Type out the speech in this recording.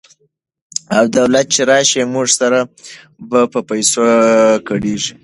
او دلته چې راشي موږ سره به په پښتو ګړېیږي؛